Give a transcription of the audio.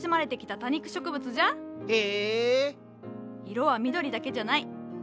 色は緑だけじゃない。